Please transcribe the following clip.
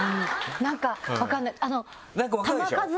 なんか分かんない。